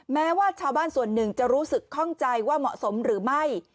แม้ว่าชาวบ้านส่วนหนึ่งจะรู้สึกข้องใจว่าเหมาะสมหรือไม่